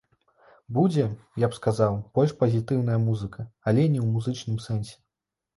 Будзе, я б сказаў, больш пазітыўная музыка, але не ў музычным сэнсе.